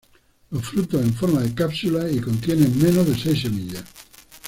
Los frutos en forma de cápsulas, y contienen menos de seis semillas.